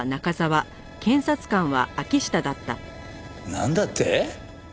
なんだって！？